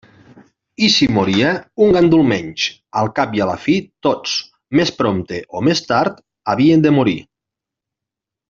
I si moria, un gandul menys; al cap i a la fi, tots, més prompte o més tard, havien de morir.